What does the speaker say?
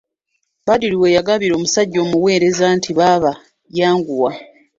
Badru we yagambira omusajja omuweereza nti:"baaba yanguwa"